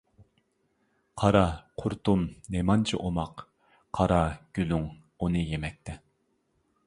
قارا، قۇرتۇم نېمانچە ئوماق، قارا، گۈلۈڭ ئۇنى يېمەكتە.